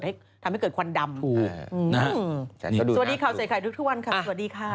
สวัสดีครับใส่ไข่ทุกวันครับสวัสดีค่ะ